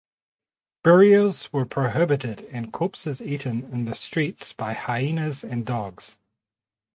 Burials were prohibited and corpses eaten in the streets by hyenas and dogs.